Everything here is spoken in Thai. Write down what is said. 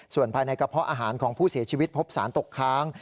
ส่วนภายในกระเพาะอาหารของผู้เสียชีวิตพบสารตกค้าง